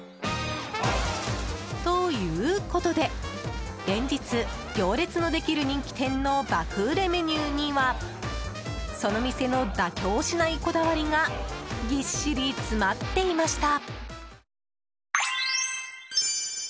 ということで連日行列のできる人気店の爆売れメニューにはその店の妥協しないこだわりがぎっしり詰まっていました。